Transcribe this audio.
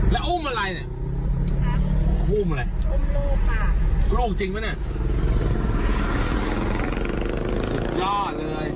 แล้วอุ้มอะไรเนี่ยอุ้มอะไรอุ้มลูกค่ะโล่งจริงไหมเนี่ยย่อเลย